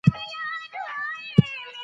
په ښوونځیو کي یې په اړه ووایئ.